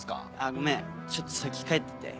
ごめんちょっと先帰ってて。